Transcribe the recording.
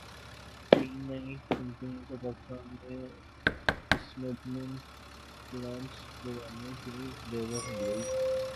تین نئی کمپنیوں کو پاکستان میں اسمبلنگ پلانٹس لگانے کی اجازت مل گئی